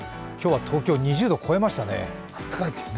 今日は東京、２０度を超えましたね。